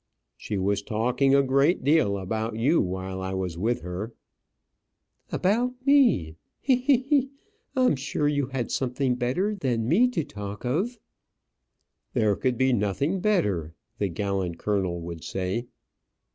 "She was talking a great deal about you while I was with her." "About me; he! he! he! I'm sure you had something better than me to talk of." "There could be nothing better," the gallant colonel would say.